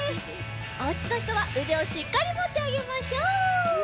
おうちのひとはうでをしっかりもってあげましょう。